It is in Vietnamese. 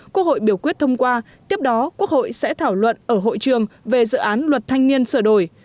quốc hội biểu quyết thông qua tiếp đó quốc hội sẽ thảo luận ở hội trường về dự án luật thanh niên sửa đổi